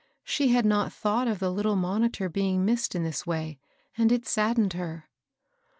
Sbe had not thought of the little monitor being missed in tins way, and it saddened her.